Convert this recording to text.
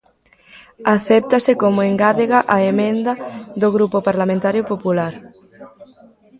Acéptase como engádega a emenda do Grupo Parlamentario Popular.